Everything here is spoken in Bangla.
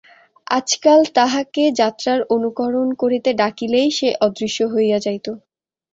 আজকাল তাহাকে যাত্রার অনুকরণ করিতে ডাকিলেই সে অদৃশ্য হইয়া যাইত।